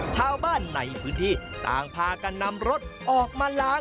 ชาวบ้านในพื้นที่ต่างพากันนำรถออกมาล้าง